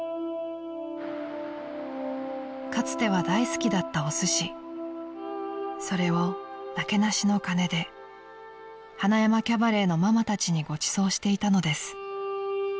［かつては大好きだったおすしそれをなけなしの金で塙山キャバレーのママたちにごちそうしていたのです］